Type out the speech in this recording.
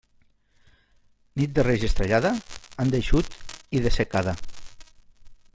Nit de Reis estrellada, any d'eixut i de secada.